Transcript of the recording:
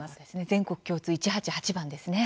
全国共通１８８番ですね。